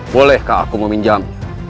bolehkah aku meminjam